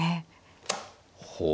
ほう。